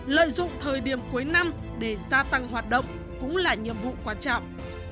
lợi dụng thời điểm cuối năm để gia tăng hoạt động cũng là nhiệm vụ quan trọng